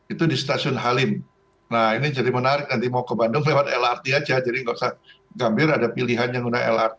itu di stasiun halim nah ini jadi seminar jadi banget selesai lasti internet wanita ke lrt